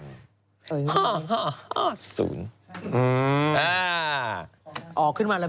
ปลาหมึกแท้เต่าทองอร่อยทั้งชนิดเส้นบดเต็มตัว